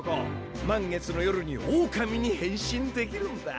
満月の夜にオオカミに変身できるんだ。